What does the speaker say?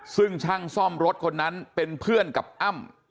ซึ่งช่างซ่อมรถคนนั้นเป็นเพื่อนกับอ้ำ